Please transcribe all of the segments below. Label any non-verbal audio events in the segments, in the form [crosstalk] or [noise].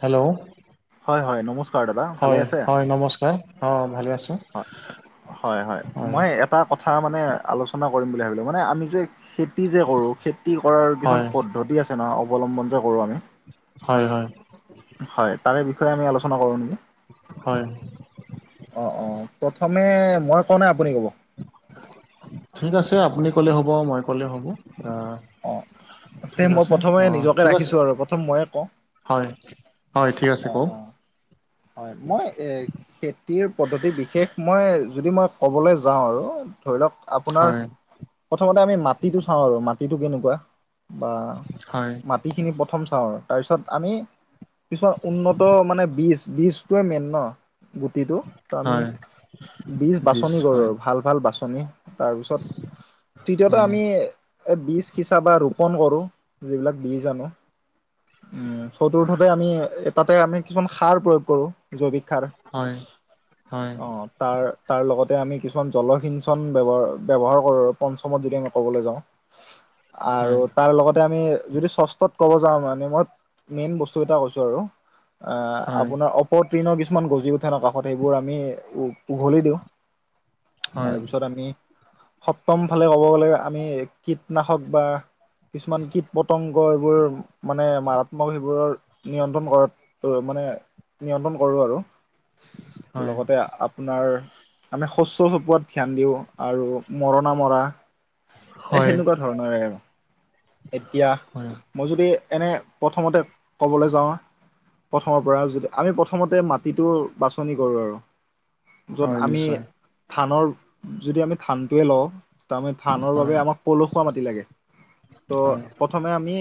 Hello হয় হয় নমস্কাৰ দাদা ভালে হয় আছে? হয় নমস্কাৰ অঁ ভালে আছোঁ হয় হয় মই এটা কথা মানে আলোচনা কৰিম বুলি ভাবিলোঁ মানে আমি যে খেতি যে কৰোঁ খেতি কৰাৰ হয় কিছুমান পদ্ধতি আছে নহয় অৱলম্বন যে কৰোঁ আমি হয় হয় হয় তাৰে বিষয়ে আমি আলোচনা কৰো নেকি? হয় অ অ প্ৰথমে মই কওঁ নে আপুনি ক'ব ঠিক আছে আপুনি ক'লে হ'ব মই ক'লে হ'ব আহ অ তে মই প্ৰথমে নিজকে ঠিক আছে ৰাখিছো আৰু প্ৰথম মইয়ে কওঁ হয় হয় ঠিক আছে অঁ কওঁক অঁ হয় মই এ খেতিৰ পদ্ধতি বিশেষ মই যদি মই ক'বলৈ যাওঁ আৰু ধৰি লওক আপোনাৰ হয় প্ৰথমতে আমি মাটিটো চাওঁ আৰু মাটিটো কেনেকুৱা বা হয় মাটিখিনি প্ৰথম চাও তাৰপিছত আমি কিছুমান উন্নত মানে বীজ বীজটোৱে মেইন ন গুটিটো ত আমি হয় বীজ বিছ বাছনি কৰো হয় আৰু ভাল ভাল বাছনি তাৰপিছত তৃতীয়তে উম আমি এই বীজ সিঁচা বা ৰোপণ কৰোঁ যিবিলাক বীজ আনো উম চতুৰ্থতে আমি তাতে আমি কিমান সাৰ প্ৰয়োগ কৰো জৈৱিক সাৰ। হয় হয় অ তাৰ তাৰ লগতে আমি কিছুমান জলসিঞ্চন ব্যৱহাৰ ব্যৱহাৰ কৰোঁ পঞ্চমত যদি আমি ক'বলৈ যাওঁ আৰু হয় তাৰ লগতে আমি যদি ষষ্ঠত ক'ব যাওঁ আমাৰ শেষত মেইন বস্তু এটা কৈছো আৰু অ হয় আপুনাৰ টিনৰ কিছুমান গজি উঠে ন কাষত সেইবোৰ আমি উ উঘলি দিওঁ হয় তাৰপিছত আমি সপ্তম ফালে ক'ব গ'লে আমি কীটনাশক বা কিছুমান কীট পতংগ এইবোৰ মানে মাৰাত্মক সেইবোৰৰ নিয়ন্ত্ৰণ কৰাত মানে নিয়ন্ত্ৰণ কৰোঁ আৰু হয় লগতে আপ আপোনাৰ আমি শস্য চপোৱাত ধ্যান দিওঁ আৰু মৰণা মৰা এ হয় সেনেকুৱা ধৰণৰ আৰু এতিয়া হয় মই যদি এনে প্ৰথমতে ক'বলৈ যাওঁ প্ৰথমৰ পৰা যদি আমি প্ৰথমতে মাটিটো বাছনি কৰোঁ আৰু য'ত হয় আমি নিশ্চয় ধানৰ যদি আমি ধানটোৱে লওঁ ত আমি ধানৰ হয় বাবে আমাক পলসুৱা মাটি লাগে হয় ত' প্ৰথমে আমি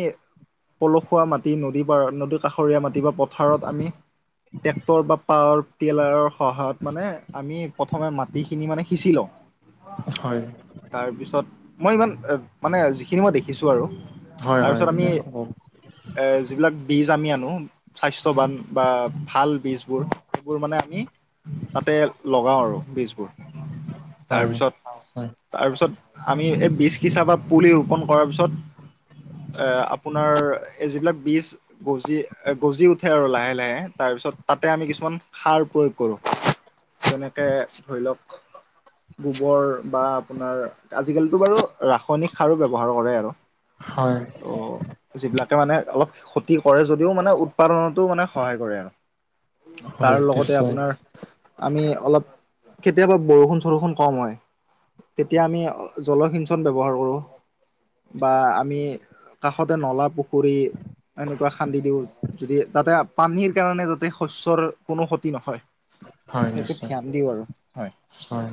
পলসুৱা মাটি নদী পাৰ নদী কাষৰীয়া মাটি বা পথাৰত আমি ট্ৰেক্টৰ বা পাৱাৰ টিলাৰৰ সহায়ত মানে আমি প্ৰথমে মাটিখিনি মানে সিঁচি লওঁ [unintelligible] হয় তাৰপিছত মই ইমান মানে যিখিনি মই দেখিছোঁ আৰু হয় হয় তাৰপিছত আমি [unintelligible] এ যিবিলাক বীজ আমি আনো স্বাস্থ্যৱান বা ভাল বীজবোৰ, সেইবোৰ মানে আমি তাতে লগাও আৰু বীজবোৰ। তাৰপিছত তাৰপিছত আমি, এই বীজ সিচা বা পুলি ৰোপন কৰা পিছত এ আপোনাৰ এই যিবিলাক বীজ গজি, গজি উঠে আৰু লাহে, লাহে। তাৰপিছত তাতে আমি কিছুমান সাৰ প্ৰয়োগ কৰোঁ। যেনেকে ধৰি লওক গোবৰ বা আপোনাৰ আজিকালিতো বাৰু ৰাসায়নিক সাৰো ব্যৱহাৰ কৰে আৰু। হয়। অ', যিবিলাকে মানে, অলপ ক্ষতি কৰে যদিও মানে উৎ পাদনতো মানে সহায় কৰে আৰু। তাৰ হয় লগতে নিশ্চয় আপোনাৰ আমি অলপ কেতিয়াবা বৰষুণ-চৰষুণ কম হয়। তেতিয়া আমি জলসিঞ্চন ব্যৱহাৰ কৰো বা আমি সতে নলা, পুখুৰী এনেকুৱা খান্দি দিওঁ, যদি যাতে পানীৰ কাৰণে যাতে শস্যৰ কোনো ক্ষতি নহয়। হয় সেইটো নিশ্চয় ধ্যান দিওঁ আৰু হয়। হয়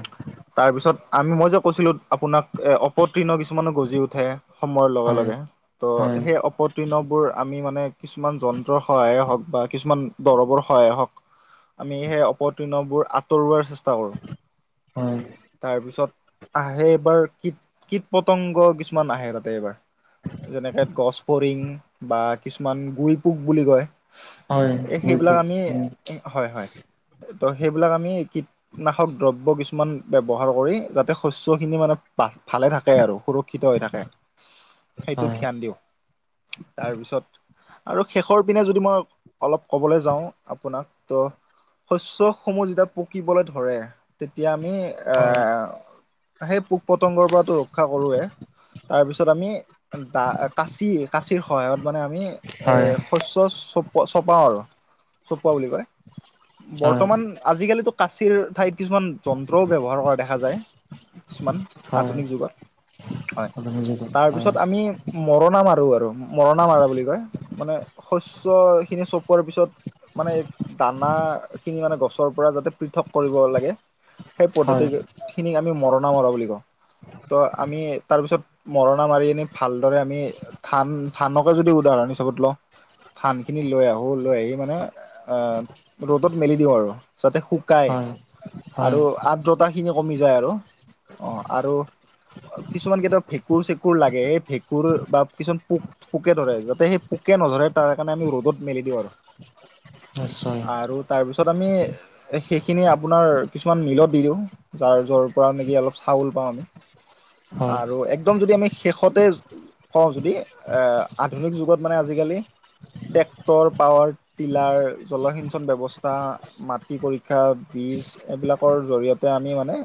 তাৰপিছত, আমি মই যে কৈছিলোঁ আপোনাক এ অপতীৰ্ণ কিছুমানো গজি উঠে, সময়ৰ লগে, হয় লগে ত' হয় সেই অপতীৰ্ণবোৰ আমি মানে কিছুমান যন্ত্ৰৰ সহায়ে হওঁক বা কিছুমান দৰবৰ সহায়ে হওক আমি সেই, অপতীৰ্ণবোৰ আঁতৰোৱাৰ চেষ্টা হয় কৰোঁ। তাৰপিছত আহে এইবাৰ কীট, কীট-পতংগ কিছুমান নাহে তাতে এইবাৰ। যেনেকে গছ ফৰিং বা কিছুমান গুই পোক বুলি কয়। হয় হয় সেইবিলাক আমি হয় হয়, হয়, ত' সেইবিলাক আমি কিট নাশক দ্ৰব্য কিছুমান ব্যৱহাৰ কৰি যাতে, শস্য খিনি মানে ভালে থাকে আৰু। সুৰ ক্ষিত হৈ থাকে। সেইটো হয় ধ্যান দিওঁ। তাৰপিছত আৰু শেষৰ পিনে যদি মই অলপ ক'বলৈ যাওঁ আপোনাক, ত' শস্য সমূহ যেতিয়া পকিবলৈ ধৰে তেতিয়া আমি এ হয় সেই পোক-পতংগৰ পৰাটো ৰক্ষা কৰোৱে, তাৰপিছত আমি দা, কাঁচি কাঁচিৰ, সহায়ত মানে আমি এ হয় শস্যৰ চপোৱা চপাও আৰু, চপোৱা বুলি কয়। বৰ্তমান, আজিকালিতো কাচিৰ ঠাইত কিছুমান যন্ত্ৰও ব্যৱহাৰ কৰা দেখা যায়। কিছুমান আধুনিক যুগত হয়, তাৰপিছত আমি মৰণা মাৰো আৰু, মৰণা মাৰা বুলি কয়। মানে শস্য খিনি চপোৱাৰ পিছত মানে দানা খিনি মানে, গছৰ পৰা যাতে পৃথক কৰিব লাগে। সেই হয় পদ্ধতি হয় খিনিক আমি মৰণা মৰা বুলি কওঁ। ত' আমি তাৰ পিছত মৰণা মাৰি আনি ভালদৰে আমি ধান, ধানকে যদি উদাহৰণ হিচাপত লওঁ ধান খিনি লৈ আহো, লৈ আহি মানে আহ ৰ'দত মেলি দিওঁ আৰু। যাতে শুকায় হয় আৰু আৰ্দ্ৰতাখিনি কমি যায় আৰু, অ', আৰু কিছুমান কেইটা ভেঁকুৰ-চেঁকুৰ লাগে এই ভেঁকুৰ বা কিছুমান পোক, পোকে ধৰে যাতে সেই পোকে নধৰে, তাৰ কাৰণে আমি ৰ'দত মেলি দিওঁ আৰু। নিশ্চয় আৰু তাৰপিছত আমি এ সেইখিনি আপোনাৰ কিছুমান মিলত দি দিওঁ। যাৰ, যৰ পৰা নেকি অলপ চাউল পাওঁ আমি। হয় আৰু একদম যদি আমি শেষতে কওঁ, যদি এ আধুনিক যুগত মানে আজিকালি ট্ৰেক্টৰ, পাৱাৰ টিলাৰ, জলসিঞ্চন ব্যৱস্থা মাটি পৰীক্ষা, বীজ এইবিলাকৰ জৰিয়তে আমি মানে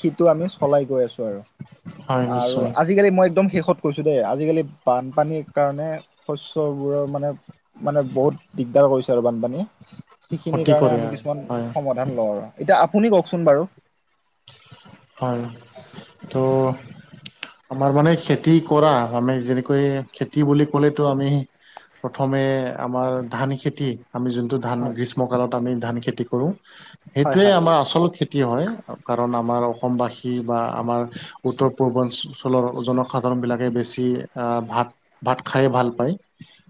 সেইটো আমি চলাই গৈ আছো আৰু, হয় আৰু নিশ্চয় আজিকালি মই একদম শেষত কৈছো দেই, আজিকালি বানপানীৰ কাৰণে শস্যবোৰ মানে মানে বহুত দিগদাৰ কৰিছে আৰু বানপানীয়ে, সেইখিনিৰ ক্ষতি কাৰণে কৰে আমি আৰু কিছুমান হয় সমাধান লওঁ, এতিয়া, আপুনি কওঁকচোন বাৰু? হয়, ত'- আমাৰ মানে খেতি কৰা, আমি যেনেকৈ খেতি বুলি ক'লেটো আমি প্ৰথমে আমাৰ, ধান খেতি আমি যোনটো ধান, হয় গ্ৰীষ্মকালত আমি ধান খেতি কৰোঁ, হয় সেইটোৱে হয় আমাৰ আচল খে খেতি হয় কাৰণ, আমাৰ অসমবাসী বা আমাৰ উত্তৰ পূৰ্বাঞ্চলৰ জনসাধাৰণ বিলাকে বেছি, আহ ভাত ভাত খাই ভাল পায়,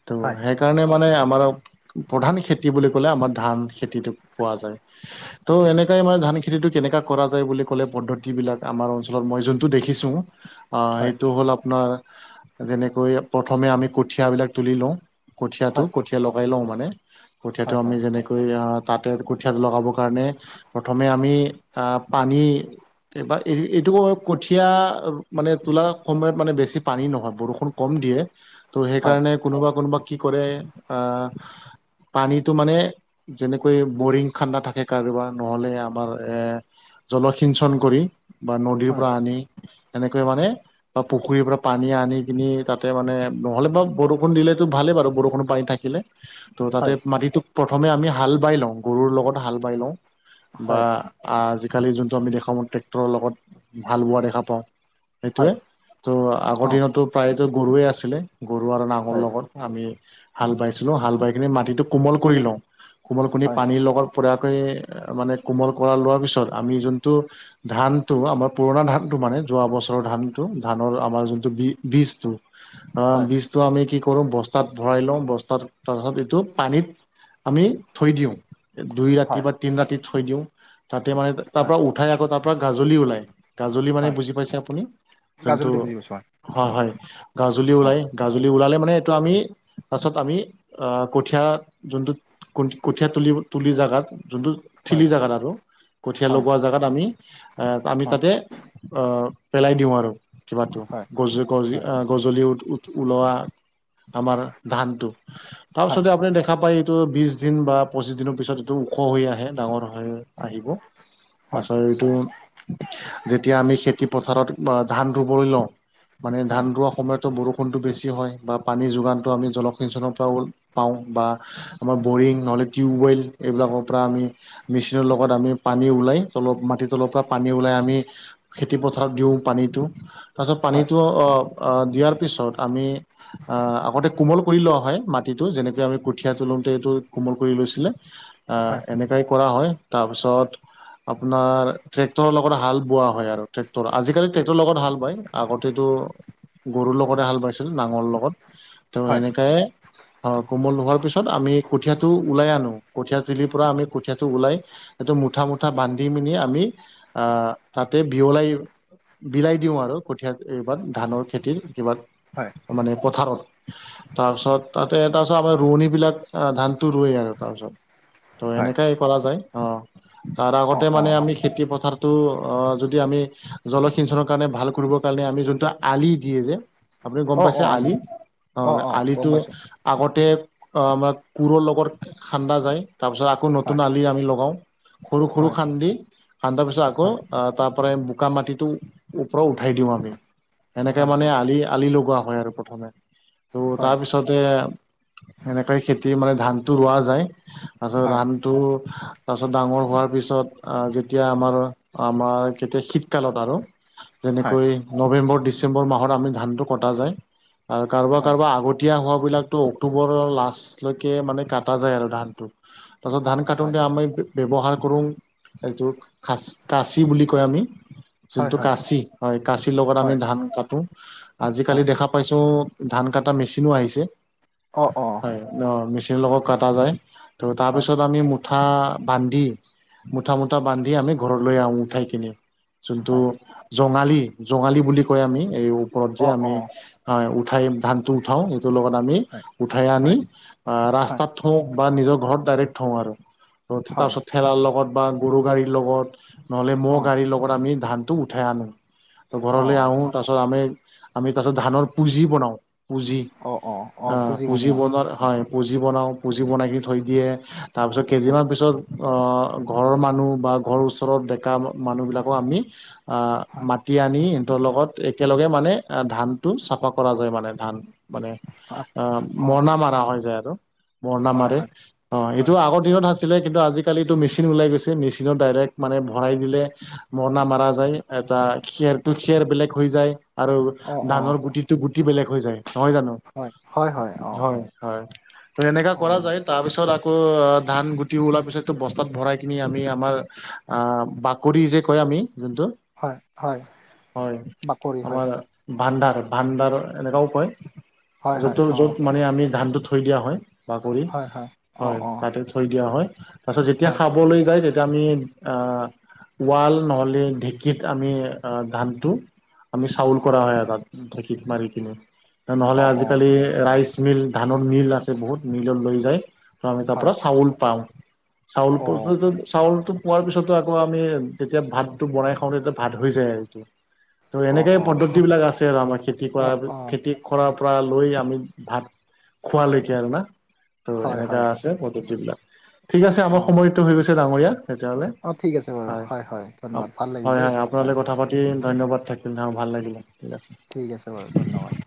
ত' হয় সেইকাৰণে মানে আমাৰ প্ৰধান খেতি বুলি ক'লে, আমাৰ ধান খেতিটো পোৱা যায়। ত', এনেকাই মানে ধান খেতিটো কেনেকা কৰা যায় বুলি ক'লে পদ্ধতিবিলাক আমাৰ অঞ্চলত মই যোনটো দেখিছোঁ, হয় সেইটো হ'ল আপোনাৰ যেনেকৈ প্ৰথমে আমি কঠিয়াবিলাক তুলি লওঁ, কঠীয়াটো, হয় কঠীয়া লগাই লওঁ মানে। কঠিয়াটো হয় আমি হয় যেনেকৈ আহ তাতে কঠীয়া লগাবৰ কাৰণে, প্ৰথমে আমি পানী এইটো, কঠীয়া মানে তোলা সময়ত মানে বেছি পানী নহয়, বৰষুণ কম দিয়ে, ত' হয় সেইকাৰণে কোনোবা কোনোবা কি কৰে, পানীটো মানে যেনেকৈ বৰিং খান্ডা থাকে কাৰোবাৰ, নহ'লে আমাৰ এ, জলসিঞ্চন কৰি, বা নদীৰ হয় পৰা আনি, এনেকৈ মানে বা পুখুৰীৰ পৰা পানী আনি কিনি, তাতে মানে নহ'লে মই, বৰষুণ দিলেটো ভালেই বাৰু, বৰষুণ পানী থাকিলে। ত' হয় তাতে মাটিটোক, প্ৰথমে আমি হাল বাই লওঁ, গৰুৰ লগত হাল বাই লওঁ। বা, হয় আজিকালি যোনটো আমি দেখা পাওঁ ট্ৰেক্টৰৰ লগত হাল বোৱা দেখা পাওঁ। হয় সেইটোৱে, ত' আগৰ অ দিনতটো প্ৰায়তো গৰুৱে আছিলে, গৰু আৰু নাঙলৰ হয় লগত। আমি হাল বাইছিলোঁ, হাল বাই কিনি মাটিটো কোমল কৰি লওঁ, কোমল কৰি হয় পানীৰ লগত পৰাকৈ মানে কোমল কৰা লোৱাৰ পিছত, আমি যোনটো ধান টো আমাৰ পুৰণা ধানতটো, মানে যোৱা বছৰৰ ধান টো, ধানৰ আমাৰ যোনটো বিজ বীজটো [inaudible] অ', বীছ এইটো আমি কি কৰোঁ, বস্তাত ভৰাই লওঁ, বস্তাত তাৰপাছত এইটো পানীত আমি থৈ দিওঁ। দুই ৰাতি হয় বা তিন ৰাতি থৈ দিওঁ, তাতে মানে তাৰ হয় পৰা উঠাই আকৌ তাৰ গাজলি ওলায়, গাজলি মানে হয় বুজি পাইছে আপুনি, যোনটো গাজলটো বুজি পাইছো হয়, হয় গাজুলি হয় ওলাই, গাজুলি ওলালে মানে এইটো আমি পাছত আমি, আ' কঠীয়া যোনটোত কঠীয়া তুলি-তুলি জাগাত, যোনটো হয় ঠিলি জাগাতাটো, কঠীয়া হয় লগোৱা জাগাত আমি এ, আমি হয় তাতে অ', পেলাই দিওঁ আৰু। কিবাটো, হয় গজি-গজি হয় আ' গজলি ওত-ওত ওলোৱা, আমাৰ ধানটো। হয় তাৰপাছতে আপুনি দেখা পায়, এইটো বিশ দিন বা পঁচিশ দিনৰ পিছত এইটো ওখ হৈ আহে, ডাঙৰ নহয় আহিব, হয় [unintelligible] যেতিয়া আমি খেতি পথাৰত, বা ধান ৰুবলৈ লওঁ মানে ধান হয় ৰোৱা সময়তটো বৰষ কোনটো বেছি হয়, বা পানী যোগানটো আমি জলসিঞ্চনৰ পৰা পাওঁ, বা আমাৰ বৰিং, নহ'লে টিউৱেল এইবিলাকৰ পৰা আমি মেচিনৰ লগত আমি পানী ওলাই, তলৰ মাটিত তলৰ পৰা পানী ওলাই, আমি খেতি পথাৰত দিওঁ পানীটো, পাছত হয় পানীটো অ' অ', দিয়াৰ পিছত আমি আ' আগতে কোমল কৰি লোৱা হয় মাটিটো, যেনেকে আমি কঠিয়া তোলোঁতে এইটো কোমল কৰি লৈছিলে। আ' হয় এনেকাই কৰা হয়, তাৰপিছত আপোনাৰ ট্ৰেক্টৰৰ লগত হাল বোৱা হয় আৰু, ট্ৰেক্টৰ, আজিকালি ট্ৰেক্টৰৰ লগত হাল বায়, আগতেতো গৰুৰ লগতে হাল বাইছিল, নাঙৰ লগত, তেওঁ হয় এনেকাই অ' কোমল হোৱাৰ পিছত আমি কঠীয়াটো ওলাই আনোঁ, কঠীয়া তুলিৰপৰা আমি কঠীয়াটো ওলাই সেইটো মুঠা, মুঠা বান্ধি মিনি আমি আ, তাতে বিয়লাই বিলাই দিওঁ আৰু কঠীয়াত এইবাত, ধানৰ খেতিৰ হয় কিবাত মানে পথাৰত। তাৰপিছত তাতে তাৰপিছত আমাৰ ৰোৱনীবিলাক আ ধানটো ৰোৱে আৰু তাৰপিছত। ত' হয় এনেকাই কৰা যায়। অ' তাৰ অ আগতে অ মানে আমি খেতি পথাৰটো, অ' যদি আমি জলসিঞ্চনৰ কাৰণে, ভাল কৰিবৰ কাৰণে, আমি যোনটো আলি দিয়ে যে আপুনি গম অ অ পাইছে আলি? অ' আলিটো আগতে আ, মানে কোৰৰ লগত খান্দা যায়, তাৰপিছত আকৌ নতুন হয় আলি আমি লগাওঁ। সৰু সৰু হয় খান্দি খান্দা পিছত আকৌ, হয় আ, তাৰপৰাই বোকা মাটিটো ওপৰত উঠাই দিওঁ আমি। সেনেকে হয় মানে আলি, আলি লগোৱা হয় আৰু প্ৰথমে, ত' হয় তাৰপিছতে এনেকৈ খেতি মানে, ধানটো ৰোৱা যায়। তাৰপিছত হয় ধানটো, তাৰপিছত ডাঙৰ হোৱাৰ পিছত, আ যেতিয়া আমাৰ, আমাৰ কেতিয়া শীতকালত আৰু। হয় যেনেকৈ নৱেম্বৰ, ডিচেম্বৰ মাহত আমি ধানটো কটা যায়। আৰু কাৰোবাৰ কাৰোবাৰ আগতীয়া হোৱাবিলাকতো অক্টোবৰৰ লাষ্ট লৈকে মানে কাটা যায় আৰু ধানটো। তাৰপাছত ধান হয় কাটোতে আমি ব্যৱহাৰ কৰোঁ, এইটোক খাচ, কাঁচি বুলি কয় আমি। হয় হয় যোনটো হয় কাঁচি হয়, কাঁচিৰ লগত আমি হয় ধান কাটো। আজিকালি হয় দেখা পাইছোঁ ধান কাটা মেচিনো আহিছে। অ অ হয়, অ' মেচিনৰ লগত কাটা যায়। ত' হয় তাৰপিছত আমি, মুঠা বান্ধি, মুঠা মুঠা বান্ধ দি আমি ঘৰলৈ আহো উঠাই কিনে। যোনটো হয় জঙালী, জঙালী বুলি কয় আমি, এই ওপৰত যে অ আমি অ হয়, উঠাই ধানটো উঠাওঁ, সেইটোৰ লগত আমি হয় উঠাই আনি হয় অ' হয় ৰাস্তাত থওঁক বা নিজৰ ঘৰত ডাইৰেক্ট থওঁ আৰু। ত' হয় তাৰপিছত ঠেলাৰ লগত বা গৰু গাড়ী লগত নহ'লে ম'হ অ গাড়ীৰ লগত আমি ধানটো উঠাই আনো। অ ঘৰলৈ আহো, তাৰপাছত আমি, আমি তাৰপাছত ধানৰ পুঁজি বনাও পুঁজি। অ অ অ আ, পুঁজি পূঁজি বনোৱা বনাৰ হয়। পুজি বনাওঁ পুজি বনাই কিনি থৈ দিয়ে। তাৰপিছত হয় কেইদিনমান পিছত ঘৰৰ মানুহ বা ঘৰ ওচৰত ডেকা মানুহবিলাকো আমি আ, হয় মাতি আনি সিহঁতৰ লগত একেলগে মানে ধানটো চাফা কৰা যায় মানে ধান। মানে আ, অ মৰণা মাৰা হৈ যায় আৰু মৰণা হয় মাৰি। হয় অ, এইটো হয় আগৰ দিনত আছিলে, কিন্তু আজিকালি এইটো মেচিন ওলাই গৈছে, মেচিনত ডাইৰেক্ট মানে ভৰাই দিলে মৰণা মাৰা যায়, এটা খেৰটো খেৰ বেলেগ হৈ যায় আৰু অ অ ধানৰ গুটিটো গুটি বেলেগ হৈ যায়, নহয় জানো? হয়, হয়, অ, হয়, হয়। ত' এনেকা অ, কৰা যায়, তাৰপিছত আকৌ ধান গুটি ওলাৰ পিছততো বস্তাত ভৰাই কিনি আমি আমাৰ আ, বাকৰি যে কয় আমি যোনটো হয়, হয়। হয়, বাকৰি হয়, আমাৰ ভাণ্ডাৰ, ভাণ্ডাৰ এনেকাও কয়। হয়, হয়, যটো অ, য'ত মানে আমি ধানটো থৈ দিয়া হয়, বাকৰি হয়, অ, হয়, অ, তাতে থৈ দিয়া হয়। তাৰপাছত যেতিয়া হয়, খাবলৈ যায় তেতিয়া আমি আহ, ৱাল ন'হলে ঢেঁকীত আমি আহ ধানটো আমি চাউল কৰা হয় আ তাত ধেকীত মাৰি কিনে নহ'লে অ, অ, আজিকালি ৰাইচ মিল, ধানৰ মিল আছে বহুত মিলত লৈ যায়। [unintelligible] আমি তাৰ হয়, পৰা চাউল পাওঁ। চাউল অ, [unintelligible] চাউলটো পোৱাৰ পিছতো আকৌ আমি যেতিয়া ভাতটো বনাই খাওঁ, তেতিয়া ভাত হৈ যায় এইটো। ত', অ, অ, এনেকে পদ্ধতি বিলাক আছে আৰু আমাৰ খেতি অ, কৰা অ, খেতি কৰাৰ পৰা লৈ আমি ভাত খোৱালৈকে আৰু না। ত', হয়, এনেকা হয়, আছে পদ্ধতি বিলাক ঠিক আছে, অ, আমাৰ সময়তো হৈ গৈছে ডাঙৰীয়া। তেতিয়াহলে, অ, ঠিক আছে বাৰু হয় ধন্যবাদ ভাল লাগিল হয়, দেই হয়। আপোনালে কথা পা ধন্যবাদ থাকিল, ভাল লাগিলে। ঠিক আছে ঠিক আছে বাৰু ধন্যবাদ।